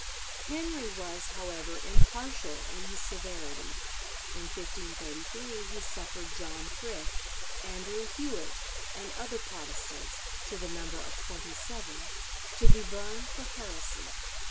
Henry, was, however, impartial in his severity. In 1533 he suffered John Frith, Andrew Hewett, and other Protestants, to the number of twenty seven, to be burned for heresy.